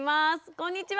こんにちは！